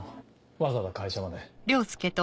わざわざ会社まで。